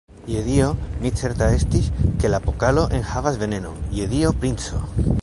Je Dio, mi certa estis, ke la pokalo enhavas venenon, je Dio, princo!